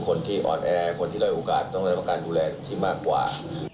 คนที่ออดแอร์คนที่ได้โอกาสต้องการดูแลที่มากกว่า